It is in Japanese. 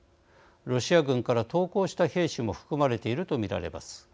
ロシア軍から投降した兵士も含まれていると見られます。